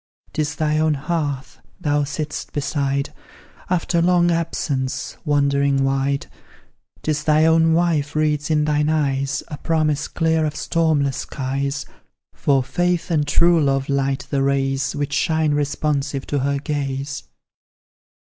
'Tis thy own hearth thou sitt'st beside, After long absence wandering wide; 'Tis thy own wife reads in thine eyes A promise clear of stormless skies; For faith and true love light the rays Which shine responsive to her gaze.